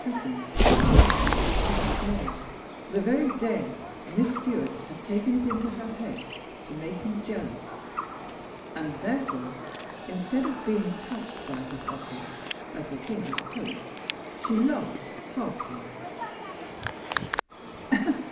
he had hit upon an unlucky day, the very day Miss Stewart had taken it into her head to make him jealous, and therefore, instead of being touched by his offer, as the king had hoped, she laughed heartily.